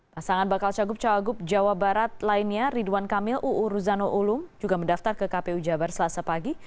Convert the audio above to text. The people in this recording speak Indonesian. pasangan bakal cagup cawagup jawa barat lainnya ridwan kamil uu ruzano ulum juga mendaftar ke kpu jabar selasa pagi